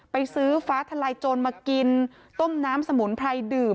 ไปซื้อฟ้าทลายโจรมากินต้มน้ำสมุนไพรดื่ม